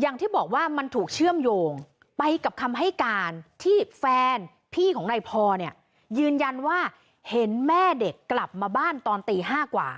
อย่างที่บอกว่ามันถูกเชื่อมโยงไปกับคำให้การที่แฟนพี่ของนายพอเนี่ยยืนยันว่าเห็นแม่เด็กกลับมาบ้านตอนตี๕กว่า